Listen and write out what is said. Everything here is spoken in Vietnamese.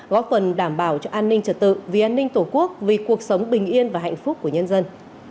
góp phần đảm bảo cho an ninh trật tự vì an ninh tổ quốc vì cuộc sống bình yên và hạnh phúc của nhân dân